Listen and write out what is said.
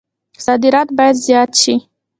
صادرات به زیات شي؟